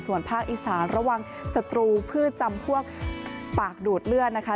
ส่วนภาคอีสานระวังศัตรูพืชจำพวกปากดูดเลือดนะคะ